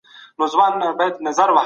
دولت د خپلو خلکو ملاتړ ته اړتیا لري.